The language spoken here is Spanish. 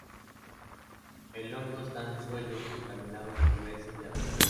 El hongo está en suelos contaminados con heces de aves.